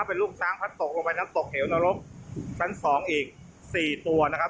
เป็นลูกช้างพัดตกลงไปแล้วตกเหี่ยวนรกเป็นสองอีกสี่ตัวนะครับ